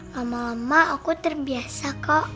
mama lama aku terbiasa kok